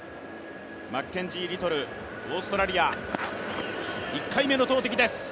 マッケンジー・リトル、オーストラリア、１回目の投てきです。